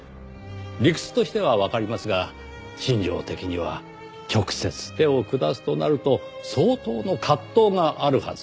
理屈としてはわかりますが心情的には直接手を下すとなると相当の葛藤があるはず。